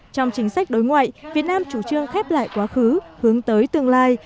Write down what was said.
trong chính sách đối ngoại việt nam chủ trương khép lại quá khứ hướng tới tương lai